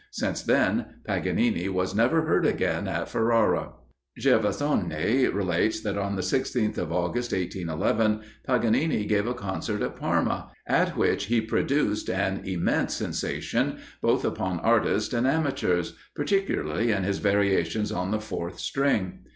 Since then, Paganini was never heard again at Ferrara. Gervasoni relates[H] that on the 16th of August, 1811, Paganini gave a concert at Parma, at which he produced an immense sensation, both upon artists and amateurs, particularly in his variations on the fourth string.